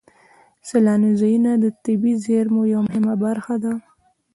سیلاني ځایونه د طبیعي زیرمو یوه مهمه برخه ده.